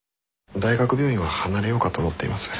大学病院は離れようかと思っています。